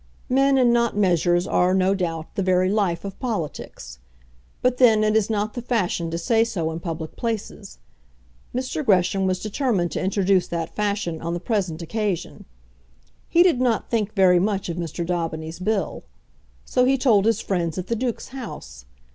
Men and not measures are, no doubt, the very life of politics. But then it is not the fashion to say so in public places. Mr. Gresham was determined to introduce that fashion on the present occasion. He did not think very much of Mr. Daubeny's Bill. So he told his friends at the Duke's house.